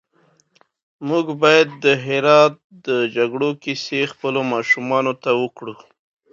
موږ بايد د هرات د جګړو کيسې خپلو ماشومانو ته وکړو.